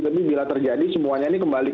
tapi bila terjadi semuanya ini kembali